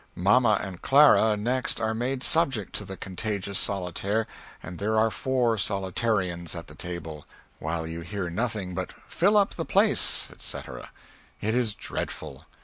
Mamma and Clara next are made subject to the contagious solatair, and there are four solotaireans at the table; while you hear nothing but "Fill up the place" etc. It is dreadful!